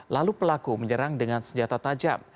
lalu pelaku menyerang dengan senjata tajam